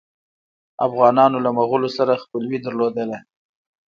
افغانانو له مغولو سره خپلوي درلودله.